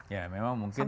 ya memang mungkin